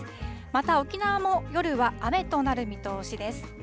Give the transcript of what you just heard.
また沖縄も夜は雨となる見通しです。